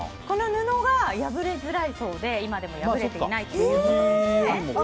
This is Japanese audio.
この布は破れづらいそうで今でも破れていないということです。